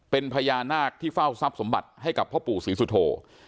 เป็นพญานาคที่เฝ้าทรัพย์สมบัติให้กับพ่อปู่ศรีสุโธ